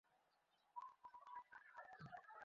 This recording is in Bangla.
বাইরে বাচ্চার জন্য খুব ঠান্ডা।